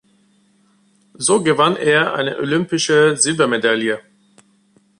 So gewann er eine olympische Silbermedaille.